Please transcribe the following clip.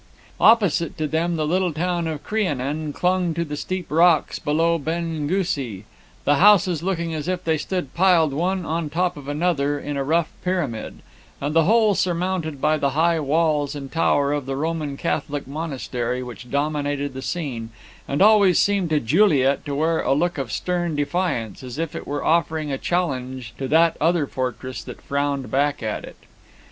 Opposite to them the little town of Crianan clung to the steep rocks below Ben Ghusy, the houses looking as if they stood piled one on top of another in a rough pyramid; and the whole surmounted by the high walls and tower of the Roman Catholic monastery which dominated the scene, and always seemed to Juliet to wear a look of stern defiance, as if it were offering a challenge to that other fortress that frowned back at it.